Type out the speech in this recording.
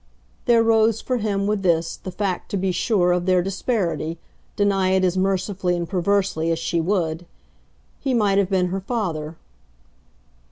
There rose for him, with this, the fact, to be sure, of their disparity, deny it as mercifully and perversely as she would. He might have been her father.